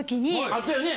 あったよね？